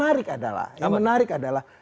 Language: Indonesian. tapi yang menarik adalah